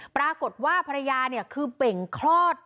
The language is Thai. ปรากฏว่าภรรยาเนี่ยคือเบ่งคลอด